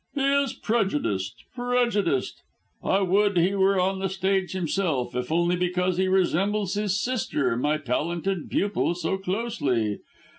"He is prejudiced, prejudiced. I would he were on the stage himself, if only because he resembles his sister, my talented pupil, so closely.